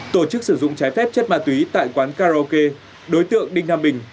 tổ chức sử dụng trái phép chất ma túy tại quán karaoke đối tượng đinh nam bình